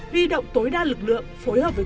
huy động tối đa lực lượng phối hợp với